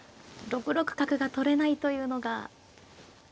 ６六角が取れないというのが。